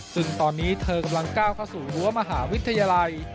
ซึ่งตอนนี้เธอกำลังก้าวเข้าสู่รั้วมหาวิทยาลัย